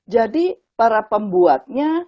jadi para pembuatnya